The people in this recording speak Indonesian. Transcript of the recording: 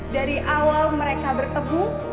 dari awal mereka bertemu